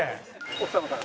奥様から？